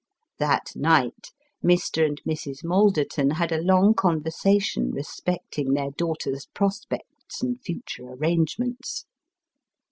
That night, Mr. and Mrs. Malderton had a long conversation respecting their daughter's prospects and future arrangements.